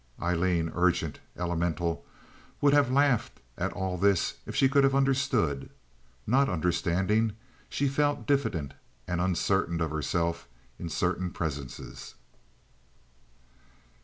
Aileen, urgent, elemental, would have laughed at all this if she could have understood. Not understanding, she felt diffident and uncertain of herself in certain presences.